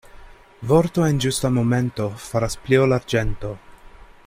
Vorto en ĝusta momento faras pli ol arĝento.